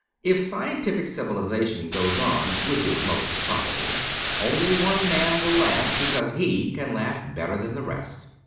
If scientific civilization goes on (which is most improbable) only one man will laugh, because he can laugh better than the rest.